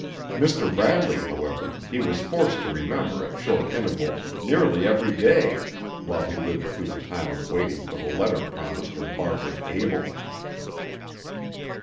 Mr. Bradley, however, he was forced to remember at short intervals, nearly every day, while he lived through the time of waiting for the letter promised in Barbara's cable.